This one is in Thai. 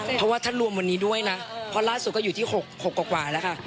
เพราะว่าท่านรวมวันนี้ด้วยนะเพราะล่าสุดก็อยู่ที่๖กว่าแล้วค่ะ